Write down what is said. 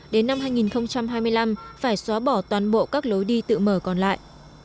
đến năm hai nghìn hai mươi năm phải xóa bỏ toàn bộ các lối đi tự mở còn lại